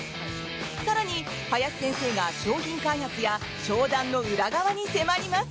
更に、林先生が商品開発や商談の裏側に迫ります！